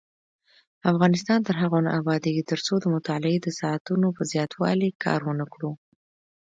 افغانستان تر هغو نه ابادیږي، ترڅو د مطالعې د ساعتونو په زیاتوالي کار ونکړو.